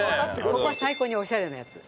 ここは最高にオシャレなやつ。